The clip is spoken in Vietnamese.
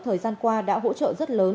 thời gian qua đã hỗ trợ rất lớn